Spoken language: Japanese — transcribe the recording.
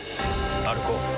歩こう。